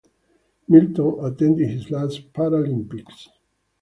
Milton attended his last Paralympics.